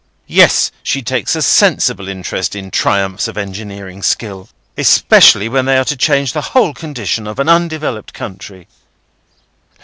"Yes. She takes a sensible interest in triumphs of engineering skill: especially when they are to change the whole condition of an undeveloped country."